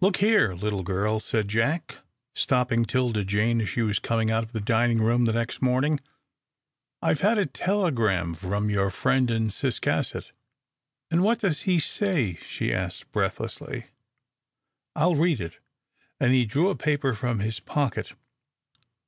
"Look here, little girl," said Jack, stopping 'Tilda Jane as she was coming out of the dining room the next morning, "I've had a telegram from your friend in Ciscasset." "An' what does he say?" she asked, breathlessly. "I'll read it," and he drew a paper from his pocket.